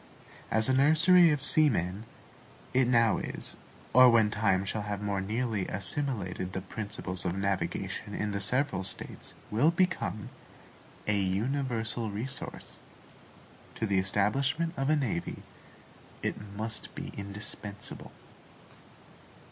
As a nursery of seamen, it now is, or when time shall have more nearly assimilated the principles of navigation in the several States, will become, a universal resource. To the establishment of a navy, it must be indispensable.